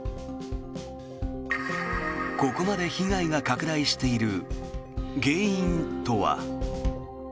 ここまで被害が拡大している原因とは。